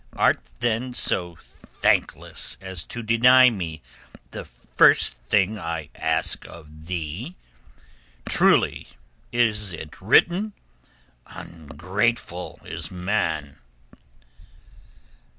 Art, then, so thankless as to deny me the first thing I ask of thee? Truly is it written 'Ungrateful is Man.